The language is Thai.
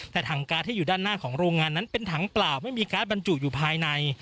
แต่ถังการ์ดที่อยู่ด้านหน้าของโรงงานนั้นเป็นถังเปล่าไม่มีการ์ดบรรจุอยู่ภายใน